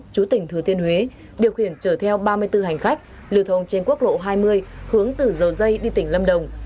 chú tỉnh thừa thiên huế điều khiển chở theo ba mươi bốn hành khách lưu thông trên quốc lộ hai mươi hướng từ dầu dây đi tỉnh lâm đồng